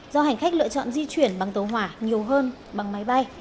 do hành khách lựa chọn di chuyển bằng tàu hỏa nhiều hơn bằng máy bay